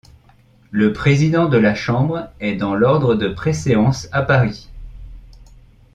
Le président de la Chambre est dans l'ordre de préséance à Paris.